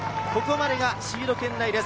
ここまでがシード圏内です。